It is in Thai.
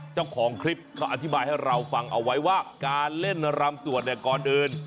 เจ้าของคลิปเขาอธิบายให้เราฟังเอาไว้ว่าการเล่นรำสวดเนี่ยก่อนอื่น